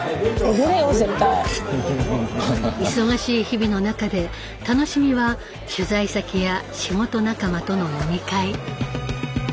忙しい日々の中で楽しみは取材先や仕事仲間との飲み会。